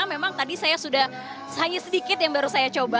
memang tadi saya sudah hanya sedikit yang baru saya coba